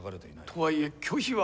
とはいえ拒否は。